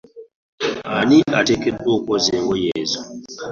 Ani ateekeddwa okwoza engoye ezo.